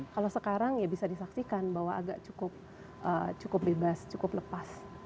kalau sekarang ya bisa disaksikan bahwa agak cukup bebas cukup lepas